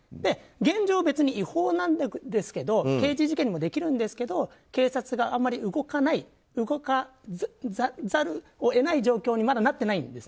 現状、違法なんですけど刑事事件にもできるんですけど警察が動かざるを得ない状況にまだなっていないんです。